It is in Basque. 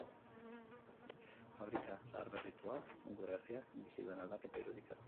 Fabrika zaharberrituak, gure herriak bizi duen aldaketa irudikatu nahi luke.